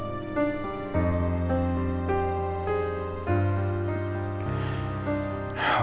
dulu kamu udah tahu